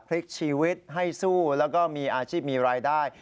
พลิกชีวิตให้สู้แล้วก็มีอาชีพมีรายได้